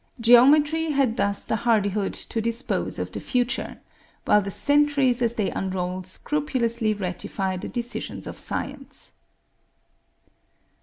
Geometry had thus the hardihood to dispose of the future, while the centuries as they unroll scrupulously ratify the decisions of science.